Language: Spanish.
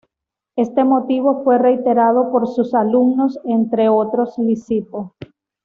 Este motivo fue reiterado por sus alumnos, entre otros Lisipo.